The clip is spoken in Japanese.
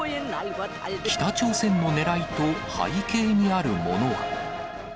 北朝鮮のねらいと背景にあるものは。